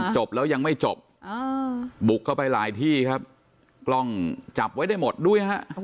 จบแล้วยังไม่จบบุกเข้าไปหลายที่ครับกล้องจับไว้ได้หมดด้วยฮะ